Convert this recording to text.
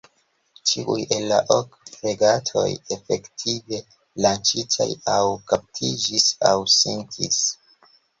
Ĉiuj el la ok fregatoj efektive lanĉitaj aŭ kaptiĝis aŭ sinkis.